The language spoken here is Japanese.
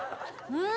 うん！